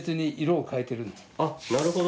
なるほど。